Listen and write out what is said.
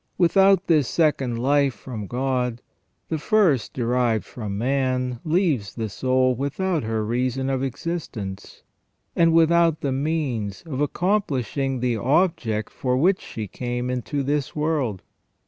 Without this second life from God, the first derived from man leaves the soul without her reason of existence, and without the means of accomplishing the object for which she came into this world.